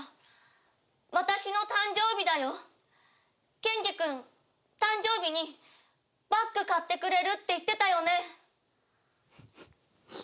ケンジ君誕生日にバッグ買ってくれるって言ってたよね？